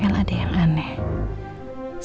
seperti ada yang lagi disembunyikan sama el